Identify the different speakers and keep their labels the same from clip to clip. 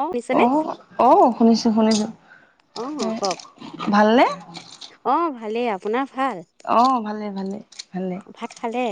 Speaker 1: অ শুনিছেনে
Speaker 2: অ', অ', শুনিছো, শুনিছো।
Speaker 1: অ
Speaker 2: উম,
Speaker 1: কওক
Speaker 2: ভালনে?
Speaker 1: অ ভালেই আপোনাক
Speaker 2: অহ, ভালে, ভালে, ভালে।
Speaker 1: ভাত খালে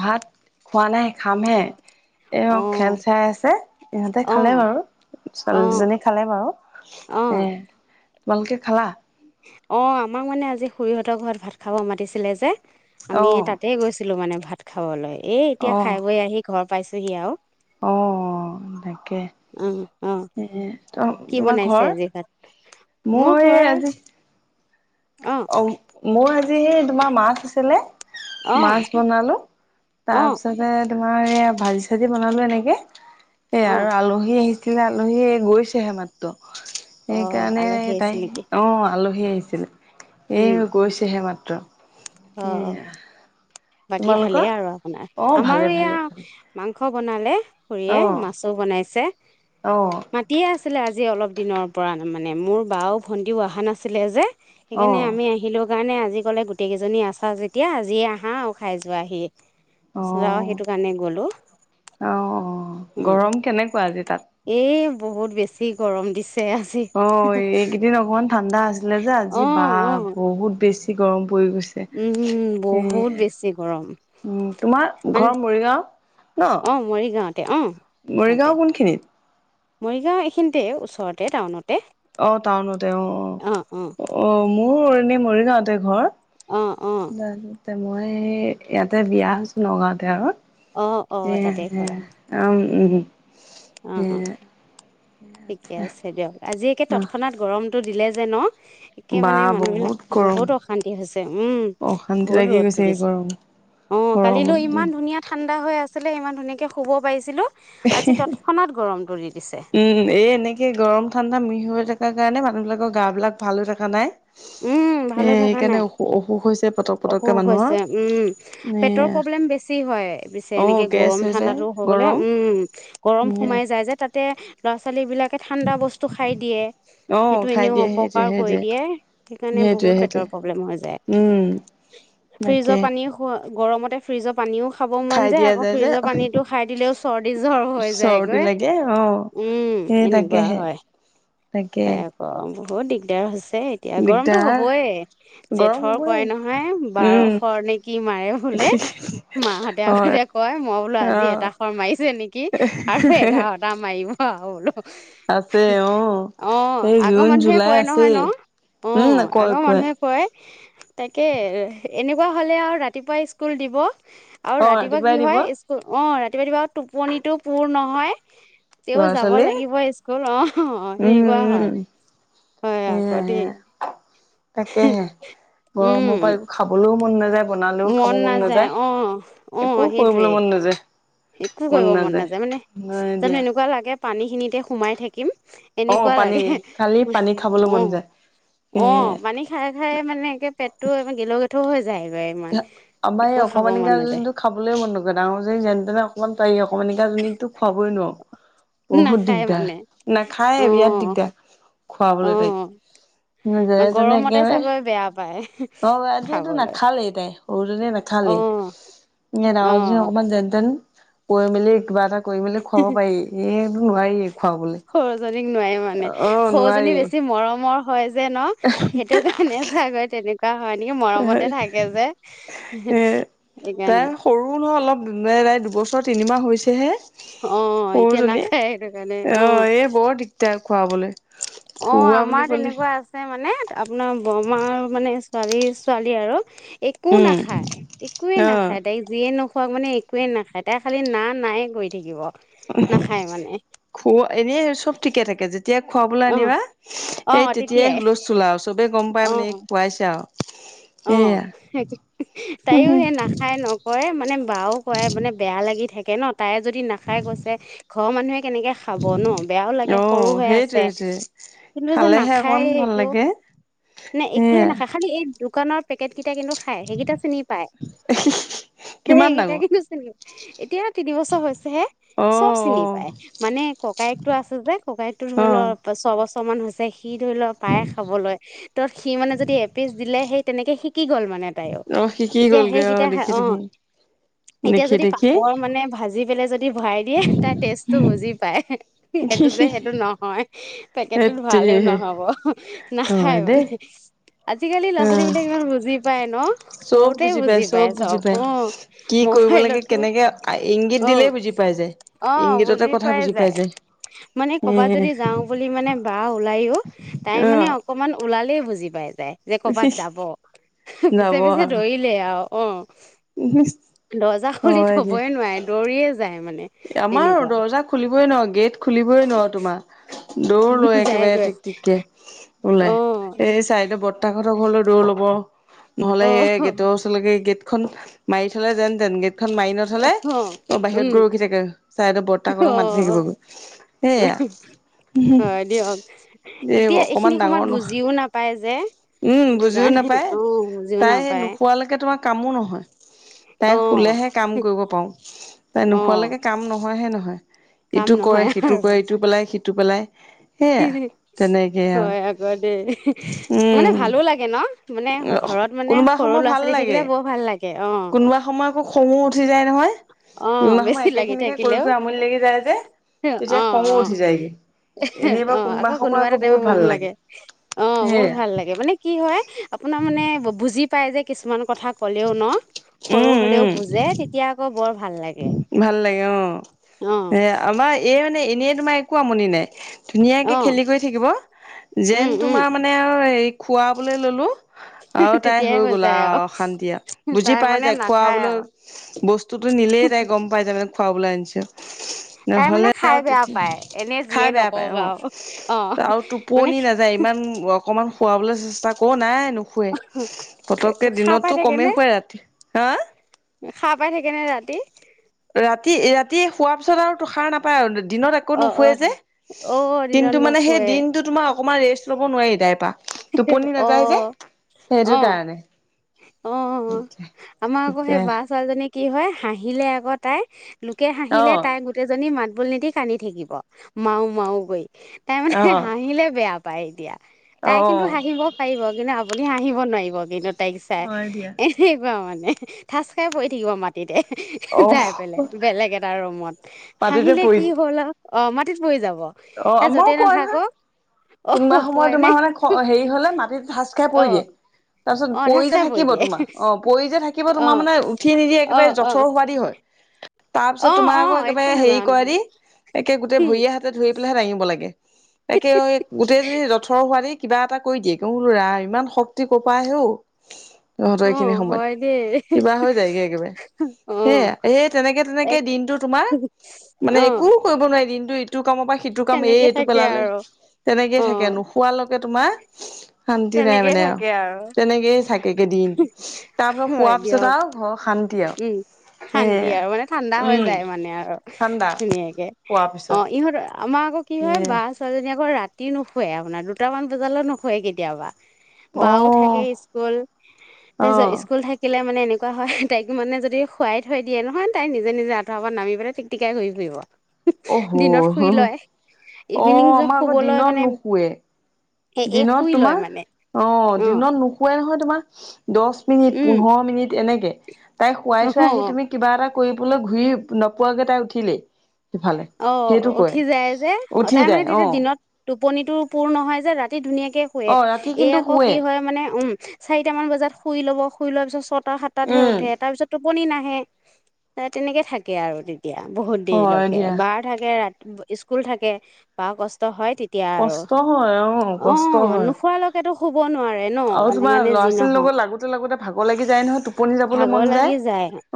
Speaker 2: ভাত খোৱা নাই খামহে।
Speaker 1: অ
Speaker 2: তেওঁ খেল চাই আছে ইহঁতে
Speaker 1: অ
Speaker 2: খালে বাৰু
Speaker 1: অ
Speaker 2: ছোৱালীজনী খালে বাৰু
Speaker 1: অ
Speaker 2: এ তোমালোকে খালা?
Speaker 1: অ' আমাক মানে আজি খুৰীহঁতৰ ঘৰত ভাত খাব মাতিছিলে যে, আমি
Speaker 2: অ'।
Speaker 1: তাতে গৈছিলো মানে ভাত খাবলৈ, এ এতিয়া
Speaker 2: অ',
Speaker 1: খাই বৈ আহি ঘৰ পাইছোঁহি আৰু
Speaker 2: অ' তাকে,
Speaker 1: উম অ
Speaker 2: এ ত
Speaker 1: কি
Speaker 2: তোমাৰ
Speaker 1: বনাইছে
Speaker 2: ঘৰ
Speaker 1: আজি ভাত
Speaker 2: মোৰ আজি
Speaker 1: অ
Speaker 2: অঔ! মোৰ আজি সেই তোমাৰ মাছ আছিলে।
Speaker 1: অ
Speaker 2: মাছ বনালো
Speaker 1: অ
Speaker 2: তাৰপিছতে, তোমাৰ এয়া ভাজি চাজি বনালো এনেকে, এয়া
Speaker 1: অ
Speaker 2: আৰু আলহী আহিছে। এ আলহী এগৈছেহে মাত্ৰ।
Speaker 1: অ
Speaker 2: সেইকাৰণে
Speaker 1: আলহী আহিছিল
Speaker 2: তাই
Speaker 1: নেকি
Speaker 2: অ' আলহী উম আহিছিলে। এ
Speaker 1: উম
Speaker 2: গৈছেহে মাত্ৰ।
Speaker 1: অ
Speaker 2: ত উ
Speaker 1: বাকী ভালেই আৰু আপোনাৰ আমাৰো এয়া
Speaker 2: ভালে
Speaker 1: মাং, মাংস বনালে খুৰিয়ে
Speaker 2: অ
Speaker 1: মাছো বনাইছে
Speaker 2: অ
Speaker 1: মাতিয়ে আছিলে আজি অলপ দিনৰ পৰা মানে মোৰ বাও ভণ্টিও অহা নাছিলে যে,
Speaker 2: অ
Speaker 1: সেইকাৰণে আমি আহিলো। সে কাৰণে আজি ক'লে গোটেই কে জনী আছা যেতিয়া আজিয়ে আহা আৰু খাই যোৱাহি। তাৰছত আৰু
Speaker 2: অ।
Speaker 1: সেইটো কাৰণে গলো
Speaker 2: অ
Speaker 1: উ
Speaker 2: গৰম কেনেকুৱা আজি তাত?
Speaker 1: এই বহুত বেছি গৰম দিছে আজি
Speaker 2: অ এইকেইদিন অকমান ঠাণ্ডা আছিলে যে আজি
Speaker 1: অ
Speaker 2: বা
Speaker 1: অ
Speaker 2: বহুত বেছি কৰম পৰি গৈছে
Speaker 1: উম
Speaker 2: এ
Speaker 1: বহুত বেছি গৰম
Speaker 2: উ তোমাৰ
Speaker 1: মানে
Speaker 2: ঘৰ মৰিগাঁও ন
Speaker 1: অ মৰিগাঁৱতে অ ইয়াতে
Speaker 2: মৰিগাঁও কোনখিনিত
Speaker 1: মৰিগাঁও এইখিনিতে ওচৰতে টাউনত
Speaker 2: অ টাউনতে অ অ অ মোৰ মোৰ অণি মৰিগাঁৱতে ঘৰ
Speaker 1: অ অ
Speaker 2: ব মই ইয়াতে বিয়া আছো নগাঁওতে আৰু
Speaker 1: অ অ
Speaker 2: হে
Speaker 1: তাতে
Speaker 2: হে
Speaker 1: কৰা
Speaker 2: অ উমুম
Speaker 1: অ ঠিকে আছে দিয়ক আজিে
Speaker 2: অহ
Speaker 1: তৎক্ষণাত গৰমতটো দিলে জন একে
Speaker 2: বা
Speaker 1: মানে মানুহবিলাক
Speaker 2: বহুত গৰম
Speaker 1: বহুত অশান্তি হৈছে উম
Speaker 2: অশান্তি
Speaker 1: বহুত
Speaker 2: লাগি
Speaker 1: ৰদ
Speaker 2: গৈছে এই
Speaker 1: তুলিছে
Speaker 2: গৰম
Speaker 1: অ
Speaker 2: গৰমত
Speaker 1: কালিলৈ
Speaker 2: দিন
Speaker 1: ইমান ধুনীয়া ঠাণ্ডা হৈ আছে আচলতে ইমান ধুনীয়াকৈ শুব পাৰিছিলোঁ
Speaker 2: উ উম এই এনেকে গৰম ঠাণ্ডা া মিহ হৈ থকা কাৰণে মানুহ বিলাকৰ গা বিিলাক ভালো থকা নাই
Speaker 1: উম
Speaker 2: এ
Speaker 1: ভালে থকা
Speaker 2: সেইকাৰণে
Speaker 1: নাই
Speaker 2: অসু অসুখ হৈছে পটক পটককে
Speaker 1: অসুখ
Speaker 2: মানুহৰ
Speaker 1: হৈছে উম
Speaker 2: এ
Speaker 1: পেটৰ প্ৰব্লেম বেছি হয় পিছে
Speaker 2: অ
Speaker 1: এনেকে
Speaker 2: গেছ
Speaker 1: গৰম
Speaker 2: হৈ যায়
Speaker 1: ঠাণ্ডাতো হৈ গলে
Speaker 2: গৰম
Speaker 1: উম উম গৰম
Speaker 2: এ
Speaker 1: সোমাই যায় যে তাতে ল' ছোৱালীলাক তাকে ঠাণ্ডা বস্তু খাই দিয়ে
Speaker 2: অ
Speaker 1: সেইটো
Speaker 2: খাই
Speaker 1: এনেও
Speaker 2: দিয়ে সেইটোৱে
Speaker 1: অপকাৰ কৰি
Speaker 2: সেইটোৱে
Speaker 1: দিয়ে সেইকাৰণে
Speaker 2: সেইটোৱে
Speaker 1: বহুত পটৰ
Speaker 2: সেইটোৱে
Speaker 1: প্ৰব্লেম হয়
Speaker 2: উম তাকে
Speaker 1: ফ্ৰিজৰ পানী খ গৰমতে ফ্ৰিজত পানীও খাব মন
Speaker 2: খাই
Speaker 1: যায়
Speaker 2: দিয়া
Speaker 1: আকৌ
Speaker 2: যে
Speaker 1: ফ্ৰিজৰ পানীটো খাই দিলেও চৰ্দি জ্বৰ হৈ
Speaker 2: চৰ্দি
Speaker 1: যায়গৈ
Speaker 2: লাগে অ
Speaker 1: উম
Speaker 2: সেই
Speaker 1: এনেকুৱা
Speaker 2: তাকেহে
Speaker 1: হয়
Speaker 2: তাকে
Speaker 1: আকৌ বহুত দিগদাৰ হৈছে এতিয়া গৰমতো
Speaker 2: দিগদাৰ
Speaker 1: হবই
Speaker 2: গৰম
Speaker 1: জেঠৰ
Speaker 2: হবই
Speaker 1: কয় নহয়
Speaker 2: উম
Speaker 1: বাৰশৰ নেকি মাৰে বোলে মাহঁতে আগতে
Speaker 2: হয়
Speaker 1: যে কয় মই বোলো
Speaker 2: অ
Speaker 1: আজি এটা খৰ মাৰিছো নেকি আৰু এঘাৰটা মাৰিব হল
Speaker 2: আছে অ এই
Speaker 1: আগৰ
Speaker 2: জুন
Speaker 1: মানুহে
Speaker 2: জুলাই
Speaker 1: কয়
Speaker 2: আছে
Speaker 1: নহয় ন অ আগৰ মানুহে কয় তাকে এনেকুৱা হ'লে আৰু ৰাতিপুৱাই স্কুল দিব আৰু
Speaker 2: অ
Speaker 1: ৰাতিপুৱা
Speaker 2: ৰাতিপুৱাই
Speaker 1: কি
Speaker 2: দিব
Speaker 1: হয় স্কুল, অ' ৰাতি কেতিয়াবা কেতিয়াবা টোপনিটো পূৰ নহয়। তেও
Speaker 2: ল'ৰা
Speaker 1: যাব
Speaker 2: ছোৱালী
Speaker 1: লাগিব স্কুল অ'
Speaker 2: উম' উম'
Speaker 1: এনেকুৱা হয় হয়
Speaker 2: সেইয়া
Speaker 1: আকৌ দেই
Speaker 2: সেইয়া তাকেহে গৰমৰ পৰা
Speaker 1: উম
Speaker 2: একো খাবলৈও ম মন নাযায় বনালেও খাব মন নাযায়,
Speaker 1: অ
Speaker 2: একো
Speaker 1: সেইটোৱে
Speaker 2: কৰিবলৈ মন নাযায়।
Speaker 1: একো কৰিব মন নাযায় মানে
Speaker 2: নাই
Speaker 1: জানো
Speaker 2: দিয়া
Speaker 1: এনেকুৱা লাগে পানীখিনিতে সোমাই থাকিম
Speaker 2: অ
Speaker 1: এনেকুৱা
Speaker 2: পানী
Speaker 1: লাগে
Speaker 2: খালি পানী খাবলৈ মন
Speaker 1: অ'
Speaker 2: যায় এ
Speaker 1: অ' পানী খাই খাই মানে এমানে একে পেটতটো গেলও গেথও ত [unintelligible]
Speaker 2: আমাৰ এই অকমানি
Speaker 1: মন
Speaker 2: গাল
Speaker 1: নাযায়
Speaker 2: দিনটো খাবলৈ মন নকৰে ডাঙৰ জনীক যেনতেনে অকমানি পাৰি অসমীয়া গাইজনীকটো খোৱাবই নোৱাৰো বহুত
Speaker 1: নাখায়
Speaker 2: দিগদাৰ,
Speaker 1: মানে
Speaker 2: নাখায় এ বিৰাট
Speaker 1: অ
Speaker 2: দিগদাৰ
Speaker 1: অ
Speaker 2: খুৱাবলৈ তাইক যেনেতেনে
Speaker 1: গৰমতে
Speaker 2: একেবাৰে
Speaker 1: চাগৈ বেয়া পায়
Speaker 2: অ' আজি এইটো
Speaker 1: খাবলৈ
Speaker 2: নাখালেই তাই অৰ
Speaker 1: অ
Speaker 2: উঠালি [unintelligible] ন ৰাওজন
Speaker 1: অ
Speaker 2: ডাঙৰজনী অকমান যেনতেন কৈ মেলি কিবা এটা কৰি মেলি খুৱাব পাৰি এই
Speaker 1: সৰুজনীক নোৱাৰি মানে
Speaker 2: অ
Speaker 1: সৰুজনী বেছি
Speaker 2: নোৱাৰি
Speaker 1: মৰমৰ হয় যে ন সেইটো কাৰণে চাগৈ তেনেকুৱা হয় নেকি মৰমতে থাকে যে
Speaker 2: এ তাই
Speaker 1: সেইকাৰণে
Speaker 2: সৰু ন অলপ নে তাই দুবছৰ তিনিমাহ হৈছেহে
Speaker 1: অ' এতিয়া
Speaker 2: সৰুজনী
Speaker 1: নাখায় সেইটো কাৰণে অ'
Speaker 2: এই বৰ দিগদাৰ খুৱাবলৈ
Speaker 1: অ'
Speaker 2: খুওৱা বুলি
Speaker 1: আমাৰ
Speaker 2: ক'লে
Speaker 1: তেনেকুৱা আছে মানে আপোনাৰ বৰমাৰ মানে, ছোৱালী ছোৱালী আৰু, একো
Speaker 2: উম
Speaker 1: নাখায়, একোৱে
Speaker 2: অ
Speaker 1: নাখায় তাইক যিয়ে নোখ খোৱামুণি একোৱেই নাখায় তাই খালী না নায়ে কৰি থাকিব নাখায় মানে
Speaker 2: খ এনেই চব ঠিকে থাকে যেতিয়া খোৱাবলৈ
Speaker 1: অ
Speaker 2: আনিবা সৈই তেতিয়াই হুলস্থুল আৰু চব চবেই গম পায়
Speaker 1: অ
Speaker 2: মানে খোৱাইছে আৰু
Speaker 1: অ'
Speaker 2: সেয়া
Speaker 1: তাইও সেই নাখায় নকৰে মানে বাও কয় মানে বেয়া লাগি থাকে। ন তাই যদি নাখাই কৈছে ঘৰৰ মানুহে কেনেকে খাব ন! বেয়াও লাগে
Speaker 2: অ
Speaker 1: সৰু হৈ আছে
Speaker 2: সেইটোৱে সেইটোৱে
Speaker 1: কিন্তু যে,
Speaker 2: খালেহে অকমান
Speaker 1: নাখায়
Speaker 2: ভাল
Speaker 1: একো
Speaker 2: লাগে
Speaker 1: নে একয়ে
Speaker 2: সেয়া
Speaker 1: নাখায় খালি এই দোকানত পেকেট কেইটা কিন্তু খাই সেইকেইটা চিনি পায়
Speaker 2: কিমান
Speaker 1: সেইকেইটা
Speaker 2: ডাঙৰ
Speaker 1: কিন্তু চিনি, এতিয়া, তিন বছৰ হৈছেহে,
Speaker 2: অ
Speaker 1: চব
Speaker 2: অ
Speaker 1: চিনি পায় মানে ককায়েক টো আছে যে, ককায়েকটো
Speaker 2: অ
Speaker 1: ধৰি লও ছবছৰ। প্ৰমান হৈছে। সি ধৰি লও পায় খাবলৈ তত সি মানে যদি এপিচ দিলে সেই তেনেকে শিক শিকি গল মানে, তাইও
Speaker 2: অ শিকি
Speaker 1: এতিয়া
Speaker 2: গ'লগৈ
Speaker 1: সেইকেইটা
Speaker 2: দেখি
Speaker 1: অ'
Speaker 2: দেখি
Speaker 1: এতিয়া
Speaker 2: দেখি
Speaker 1: যদি
Speaker 2: দেখি
Speaker 1: পাপৰ মানে ভাজি পেলাই যদি ভৰাই দিয়ে তাৰ টেষ্টটো বুজি পায়। সেইটো যে, সেইটো নহয়। পেকেটটোত
Speaker 2: সেইটোৱে
Speaker 1: ভালেও নহ'ব নাখায়
Speaker 2: হয় দেই
Speaker 1: মানে। আজিকালি, লৰা
Speaker 2: অ
Speaker 1: -ছোৱালী বিলাক ইমান বুজি পায় ন!
Speaker 2: চব
Speaker 1: সৰুতে
Speaker 2: পায়
Speaker 1: বুজি পাই চব
Speaker 2: বুজি
Speaker 1: অ
Speaker 2: পায় কি কৰিব লাগে
Speaker 1: মোবাইলতো
Speaker 2: কেনেকে ইংগিত
Speaker 1: অ
Speaker 2: দিলেই বুজি পাই যায়
Speaker 1: অহ বুজি পাই যায় মানে
Speaker 2: এ
Speaker 1: ক'বাত যদি যাও বুলি মানে বা ওলাইও তাই
Speaker 2: অ
Speaker 1: মানে অকমান ওলালেই বুজি, বুজি পায় যে, ক'বাত যাব পিছে,
Speaker 2: যাব
Speaker 1: পিছে দৰিলেই আও অ'।
Speaker 2: [unintelligible]
Speaker 1: দৰ্জা খুলি
Speaker 2: হয় দিয়া
Speaker 1: থবই নোৱাৰি দৌৰিয়ে যায় মানে
Speaker 2: আমাৰ
Speaker 1: এনেকুৱা
Speaker 2: দৰ্জা খুলিবই নোৱাৰ, গেট খুলিবই নোৱাৰ তোমাৰ দৌৰ লৈ একেবাৰে
Speaker 1: যায়গৈ
Speaker 2: টিক, টিককে
Speaker 1: অ
Speaker 2: ওলাই এই চাইডে বৰ্তাকহঁতৰ ঘৰ ৰ ল'ব
Speaker 1: অ
Speaker 2: নহ'লে গেটৰ ওচৰলৈকে গেট খন মাৰি থলে যেন তেনগে। মাৰি নথ'লে
Speaker 1: অ
Speaker 2: বাহিৰত
Speaker 1: উম
Speaker 2: গৈ ৰখি থাক চাইদে
Speaker 1: অ
Speaker 2: বৰ্তাকক মাতি থাকিবগৈ সেইয়া
Speaker 1: হয় দিয়ক
Speaker 2: এই
Speaker 1: এতিয়া
Speaker 2: অকমান
Speaker 1: এইখিনি
Speaker 2: ডাঙৰ
Speaker 1: সময়ত
Speaker 2: ন'
Speaker 1: বুজিও নাপায় যে
Speaker 2: উম,
Speaker 1: সেইটো
Speaker 2: বুজিও
Speaker 1: কাৰণে
Speaker 2: নাপায়
Speaker 1: অ বুজিও
Speaker 2: তাই সেই
Speaker 1: নাপায়
Speaker 2: নোখোৱালৈকে তোমাৰ কামো নহয়।
Speaker 1: অ
Speaker 2: তাই শুলেহে কাম কৰিব পাৰোঁ তাই
Speaker 1: অ
Speaker 2: নোখোৱালৈকে নহয়হে নহয়।
Speaker 1: কাম
Speaker 2: ইটো কৰে,
Speaker 1: নহয়
Speaker 2: সিটো
Speaker 1: আৰু
Speaker 2: কৰে ইটো পেলাই, সিটো উটো পেলাই। সেয়া। তেনেকে আৰু
Speaker 1: হয় আকৌ দেই মানে
Speaker 2: উম
Speaker 1: ভালো লাগে ন'। মানে ঘৰত মানে
Speaker 2: কোনোবা
Speaker 1: সৰু
Speaker 2: সময়
Speaker 1: ল'ৰা
Speaker 2: ভাল
Speaker 1: ছোৱালী থাকিলে
Speaker 2: লাগে
Speaker 1: বৰ ভাল লাগে অ
Speaker 2: কোনোবা সময় আকৌ খঙো উঠি যায় নহয়,
Speaker 1: অ
Speaker 2: কোনোবা সময়
Speaker 1: বেছি
Speaker 2: একে
Speaker 1: লাগি
Speaker 2: খিনিকে কৰি
Speaker 1: থাকিলেও
Speaker 2: কৰি আমনি লাগি যায় যে
Speaker 1: অ অ
Speaker 2: তেতিয়া খঙো উঠি যায়গে। এনেই বা
Speaker 1: অ', আকৌ
Speaker 2: সময়
Speaker 1: কোনোবা এটা
Speaker 2: বহুত
Speaker 1: [unintelligible]
Speaker 2: ভাল
Speaker 1: মৰমো লাগে অ', বহুত
Speaker 2: সেয়া
Speaker 1: ভাল লাগে মানে কি হয় আপোনাৰ মানে বু বুজি পাই যে কিছুমান কথা। ক'লেও ন' সৰু
Speaker 2: উম
Speaker 1: হ'লেও
Speaker 2: উম
Speaker 1: বুজে তেতিয়া আকৌ বৰ ভাল। লাগে
Speaker 2: ভাল লাগে অ',
Speaker 1: অ
Speaker 2: সে আমাৰ এই মানে ইয়ে তোমাৰ একো আমনি নাই। ধুনীয়াকে
Speaker 1: অ
Speaker 2: খেলি কৰি থাকিব
Speaker 1: উম
Speaker 2: যেন
Speaker 1: উম
Speaker 2: তোমাৰ মানে আৰু হেৰি খোৱাবলৈ ল'লোঁ। আৰু তাই হৈ গ'ল আৰু অশান্তি আৰু বুজি
Speaker 1: তাই
Speaker 2: পাই
Speaker 1: মানে
Speaker 2: যায়
Speaker 1: নাখায়
Speaker 2: খোৱাবলৈ
Speaker 1: আৰু
Speaker 2: বস্তুতো নিলেই গম পাই যায় মানে। খোৱাবলৈ আনিছিল।
Speaker 1: তাই মানে
Speaker 2: নহ'লে
Speaker 1: খাই
Speaker 2: আৰু
Speaker 1: বেয়া
Speaker 2: তেতি
Speaker 1: পায় এনে যিয়ে
Speaker 2: খাই বেয়া পায়
Speaker 1: নকওক
Speaker 2: অ',
Speaker 1: আৰু অ
Speaker 2: আৰু
Speaker 1: মানে
Speaker 2: টোপনি নাযায় ইমান অকমান খোৱাবলৈ চেষ্টা কৰ নাই। নুখুৱে পতককে
Speaker 1: খাৰ
Speaker 2: দিনতো
Speaker 1: পাই
Speaker 2: কমেই
Speaker 1: থাকেনে
Speaker 2: শুৱে ৰাতি হা।
Speaker 1: খাৰ পাই থাকেনে ৰাতি
Speaker 2: ৰাতি ৰাতি শোৱাৰ পিছত আৰু তুষাৰ নাপায় আৰু। দিনত একো
Speaker 1: অ অ
Speaker 2: নুশোৱে যে
Speaker 1: অ দিনত
Speaker 2: কিন্তু মানে সেই
Speaker 1: নুশুৱে
Speaker 2: দিনতটো তোমাৰ অকণমান ৰেষ্ট ল'ব নোৱাৰি তাই। টোপনি
Speaker 1: অ
Speaker 2: নাযায় যে সেইটো কাৰণে।
Speaker 1: অ', অ', অ',
Speaker 2: ঠিকে
Speaker 1: আমাৰ আকৌ সেই বাৰ ছালজনী। ে কি হয় হাঁহিলে আকৌ তাই লোকে
Speaker 2: অ
Speaker 1: হাঁহিলে তাই গোটেইজনী মান ল নিদি কান্দি থাকিব মাৰও মাৰও গৈ তাই
Speaker 2: অ
Speaker 1: মানে হাঁহিলে বেয়া পায় দিয়া।
Speaker 2: অ
Speaker 1: তাই কিন্তু হাঁহিব পাৰিব কিন্তু আপুনি আহিব নোৱাৰিব কিন্তু টাইক চাই
Speaker 2: হয় দিয়া
Speaker 1: এনেুৱা মানে। ঠাচ খাই পৰি থাকিব মাটিতে।
Speaker 2: অ
Speaker 1: যাই পেলে বেলেগ এটা ৰুমত
Speaker 2: মাটিতে
Speaker 1: হাঁহিলে
Speaker 2: পৰি
Speaker 1: কি হ'ল আৰু অ মাটিত পৰি যাব।
Speaker 2: অ
Speaker 1: তাই য'তে
Speaker 2: আমাৰো পোৱা নহয়
Speaker 1: নাথাকক অ
Speaker 2: কোনোবা সময়
Speaker 1: পৰে নে
Speaker 2: তোমাৰ মানে হেৰি হলে মাটিত সাজ খাই
Speaker 1: অ
Speaker 2: পৰি দিয়ে। তাৰ পিছত
Speaker 1: অ ঢাচ
Speaker 2: পৰি যে
Speaker 1: খাই
Speaker 2: থাকিব
Speaker 1: দিয়ে
Speaker 2: তোমাৰ অ পৰি যে থাকিব থাকিব
Speaker 1: অ
Speaker 2: তোমাৰ মানে উঠি নিদিয়ে
Speaker 1: অ
Speaker 2: একেবাৰে
Speaker 1: অ
Speaker 2: জথৰ সোৱাদদি হয়।
Speaker 1: অ
Speaker 2: তাৰপিছত
Speaker 1: অ
Speaker 2: তোমাৰ আকৌ
Speaker 1: একো
Speaker 2: একেবাৰে হেৰি
Speaker 1: নাজানা
Speaker 2: কৰে
Speaker 1: নিচিনা
Speaker 2: দি একে গোট ভৰি হাতত [unintelligible] ব লাগে। তাকে গোটেইজনী জথৰ হোৱ ন কিবা এটা কৰি দিয়ে কো ল'ৰা ইমান শক্তি কপা হেও। সহঁতৰ এই খিনি
Speaker 1: অ',
Speaker 2: সময়ত
Speaker 1: হয় দেই
Speaker 2: কিবা হৈ যায়গে একেবাৰে
Speaker 1: অ',
Speaker 2: সেয়া এই তেনেকে তেনেকে
Speaker 1: এক
Speaker 2: দিনটো তোমাৰ মানে একো
Speaker 1: অ',
Speaker 2: কৰিব নোৱাৰি দিনটো কমৰ পৰা সিটো কাম এই
Speaker 1: তেনেকে
Speaker 2: এইটো
Speaker 1: থাকে
Speaker 2: পেলালে
Speaker 1: আৰু
Speaker 2: তেনেকেই থাকে
Speaker 1: অ',
Speaker 2: নোখোৱালৈকে তোমাৰ শান্তি নাই
Speaker 1: তেনেকেই
Speaker 2: মানে আৰু
Speaker 1: থাকে
Speaker 2: তেনেকেই থাকে একে দিন তাৰপিছত
Speaker 1: হয়
Speaker 2: শোৱাৰ পিছত
Speaker 1: দিয়ক
Speaker 2: আৰু ঘৰ শান্তি আৰু
Speaker 1: উম শান্তি
Speaker 2: সেয়া।
Speaker 1: আৰু মানে ঠাণ্ডা হৈ
Speaker 2: উম
Speaker 1: যায় মানে আৰু
Speaker 2: ঠাণ্ডা
Speaker 1: ধুনীয়াকে
Speaker 2: শোৱাৰ
Speaker 1: অ
Speaker 2: পিছত।
Speaker 1: ইহঁত ত [inaudible] আমাৰ আকৌ কি
Speaker 2: এ
Speaker 1: হয় বা ছোৱালীজনী আকৌ ৰাতি ৰাতি নুখুৱে আপোনাৰ দুটামান বজালৈ নুখুৱৱে কেতিয়াবা। বাও থাকে
Speaker 2: অ'
Speaker 1: স্কুল তাৰপিছত
Speaker 2: অ'
Speaker 1: স্কুল থাকিলে। মানে এনেকুৱা হয় তাইকো মানে যদি খুৱাই থৈ দিয়ে নহয় তাই নিজে নিজে আঁঠৰ পৰা নামি পেলাই টিক টিকাই কৰি ফুৰিব।
Speaker 2: আহ
Speaker 1: দিনত
Speaker 2: আহ
Speaker 1: শুই লয় ইভিনিং যে
Speaker 2: আমাৰ আকৌ
Speaker 1: শুবলৈ
Speaker 2: দিনত
Speaker 1: মানে
Speaker 2: নুশোৱে।
Speaker 1: এই
Speaker 2: দিনত
Speaker 1: শুই লয়
Speaker 2: তোমাৰ
Speaker 1: মানে
Speaker 2: অ', দিনত নুশুৱে নহয় তোমাৰ দচ মিনিট,
Speaker 1: উম,
Speaker 2: পোন্ধৰ মিনিট এনেকে তাই শুৱাই থৈ আহি
Speaker 1: অ',
Speaker 2: তুমি কিবা এটা কৰিবলৈ ঘূৰি নোপোৱাকে তাই উঠিলেই। সিফালে
Speaker 1: অ',
Speaker 2: সেইটো কৰে
Speaker 1: উঠি যায় যে,
Speaker 2: উঠি
Speaker 1: তাই মানে
Speaker 2: যায়
Speaker 1: তেতিয়া
Speaker 2: অ'
Speaker 1: দিনত টোপ টোপনিটো পূৰ নহয় যে, ৰাত ধুনীয়াকে শুৱে
Speaker 2: অ' ৰাতি
Speaker 1: এই
Speaker 2: কিন্তু
Speaker 1: আকৌ
Speaker 2: শুৱে
Speaker 1: কি হয়, মানে উম। চাৰিটামান বজাত শুই ল'ব, শুই লোৱাৰ পিছত চত আৰু সাতটাহে
Speaker 2: উম
Speaker 1: উঠে, তাৰ পিছতো টোপনি নাহে, তেনেকে থাকে আৰু তেতিয়া বহুত দেৰি লগ
Speaker 2: হয় দিয়া
Speaker 1: এবাৰ থাকে ৰাত স্কুল থাকে বা কষ্ট হয়ত
Speaker 2: কষ্ট হয়, অ', কষ্ট হয়
Speaker 1: নোখোৱালৈকেতো শুব নোৱাৰে ন
Speaker 2: আৰু তোমাৰ
Speaker 1: যিমানে যি
Speaker 2: ল'ৰা-ছোৱালীৰ
Speaker 1: নহওক
Speaker 2: লগত লাগোতে-লাগোতে ভাগৰ লাগি যায় নহয়, টোপনি যাবলৈ মন
Speaker 1: ভাগৰ লাগি
Speaker 2: যায়,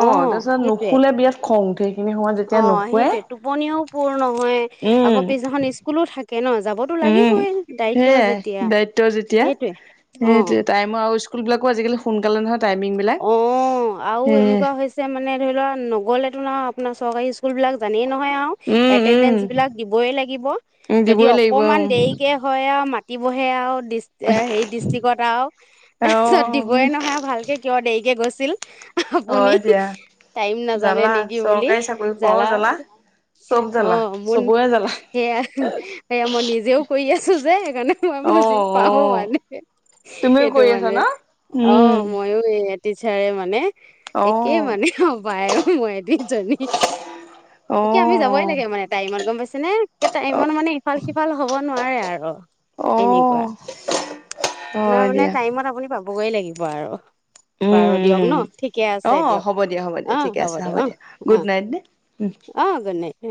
Speaker 2: অ', তাৰ পিছত
Speaker 1: সেইটোৱে
Speaker 2: নুশুলে বিৰাট খং সেইখিনি সময়ত যেতিয়া
Speaker 1: অ',
Speaker 2: নুশুৱে
Speaker 1: সেইটোৱে টোপনিও পূৰ নহয়,
Speaker 2: উম
Speaker 1: আকৌ পিছদিনাখন স্কুলো থাকে ন'। যাবতো
Speaker 2: উম
Speaker 1: লাগিবই দায়িত্ব
Speaker 2: সেয়াই
Speaker 1: যেতিয়া,
Speaker 2: দায়িত্ব
Speaker 1: সেইটোৱেই অ'।
Speaker 2: লবিলাকো আজিকালি সোনকালে নহয় টাইমিং বিলাক
Speaker 1: অ', আৰু
Speaker 2: সে
Speaker 1: এনেকুৱা হৈছে মানে ধৰি লোৱা নগ'লেতো ন চৰকাৰী স্কুলবিলাক জানেই ন মই আওঁ
Speaker 2: উম উম
Speaker 1: আত্তেণ্ডেঞ্চবিলাক দিবই লাগিব,
Speaker 2: উম
Speaker 1: যদি
Speaker 2: দিবই লাগিব উম
Speaker 1: অকনমান দেইকে হয় আওঁ মাত দিবহে আওঁ দিছ, হেই ডিষ্ট্ৰিক্টক আওঁ,
Speaker 2: অ
Speaker 1: দি গয়ে নহয় আৰু ভালকে কিয় দেয়িকে গৈছ ছিল আপুনি
Speaker 2: হয় দিয়া
Speaker 1: টাইম নাজানে
Speaker 2: জ্বালা
Speaker 1: নেকি বুলি?
Speaker 2: চৰকাৰী চাকৰি পোৱাও
Speaker 1: জালা
Speaker 2: জ্বালা চব জ্বালা
Speaker 1: অ', মোৰ
Speaker 2: চবৰে জ্বালা
Speaker 1: সেয়া, সেয়া মই নিজেও কৰি আছো যে, সেইকাৰণে মই মোৰ
Speaker 2: অ
Speaker 1: বুজি
Speaker 2: অ
Speaker 1: পাওঁ মানে
Speaker 2: তুমিও
Speaker 1: এইটো
Speaker 2: কৰি আছা
Speaker 1: মানে
Speaker 2: ন
Speaker 1: অ',
Speaker 2: উম
Speaker 1: ময়ো এই টিচাৰে মানে একে
Speaker 2: অ',
Speaker 1: মানে বাই ময়ে দুজনী এতিয়া আমি যাবই
Speaker 2: অ',
Speaker 1: লাগে মানে টাইমত গম পাইছে নে?
Speaker 2: অ',
Speaker 1: টাইমত মানে ইফাল সিফাল হ'ব নোৱাৰে আৰু এনেকুৱা
Speaker 2: অ',
Speaker 1: আপোনাৰ
Speaker 2: হয়
Speaker 1: মানে
Speaker 2: দিয়া
Speaker 1: টাইমত আপুনি পাব বই লাগিব আৰু
Speaker 2: উম,
Speaker 1: বাৰু দিয়ক
Speaker 2: উম,
Speaker 1: ন ঠিকে আছে
Speaker 2: অ', হ'ব
Speaker 1: দিয়ক
Speaker 2: দিয়া, হ'ব দিয়া
Speaker 1: আহ
Speaker 2: ঠিকে আছে
Speaker 1: হ'ব দিয়ক
Speaker 2: দিয়া
Speaker 1: অ
Speaker 2: গুড
Speaker 1: অ
Speaker 2: নাইট দেই। উম।
Speaker 1: আহ গুড নাইট